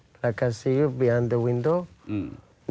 ผมเห็นเขาที่ยาลุงในสระกาส